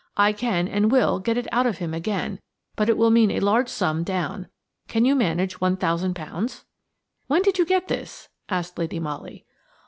I can, and will, get it out of him again, but it will mean a large sum down. Can you manage one thousand pounds?" "When did you get this?" asked Lady Molly.